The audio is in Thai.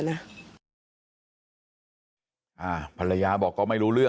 ไม่ยุ่งเกี่ยวเลย